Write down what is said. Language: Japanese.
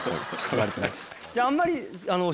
あんまり。